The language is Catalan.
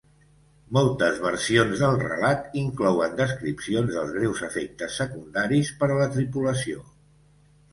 Moltes versions del relat inclouen descripcions dels greus efectes secundaris per a la tripulació.